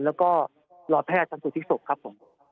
แล้วก็รอแพทย์จังหลวดพิสุทธิ์ศพครับผม